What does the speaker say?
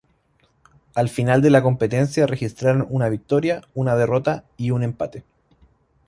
Al final de la competencia registraron una victoria, una derrota y un empate.